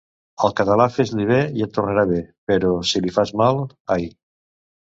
Al català, fes-li bé i et tornarà bé; però, si li fas mal, ai!